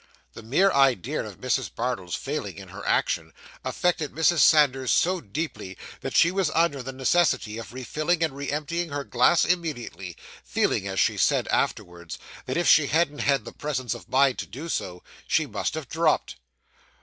The mere idea of Mrs. Bardell's failing in her action, affected Mrs. Sanders so deeply, that she was under the necessity of refilling and re emptying her glass immediately; feeling, as she said afterwards, that if she hadn't had the presence of mind to do so, she must have dropped.